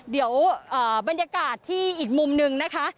เดี๋ยวบรรยากาศที่อีกมุมหนึ่งนะคะ